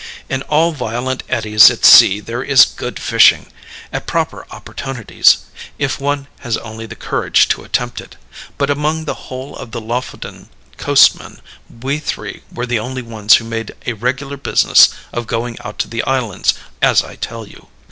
In all violent eddies at sea there is good fishing, at proper opportunities, if one has only the courage to attempt it; but among the whole of the Lofoden coast men we three were the only ones who made a regular business of going out to the islands, as I tell you.